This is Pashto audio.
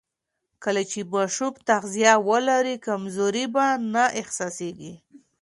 کله چې ماشوم تغذیه ولري، کمزوري به نه احساسېږي.